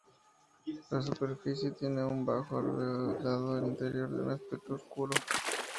La superficie tiene un bajo albedo, dando al interior un aspecto oscuro.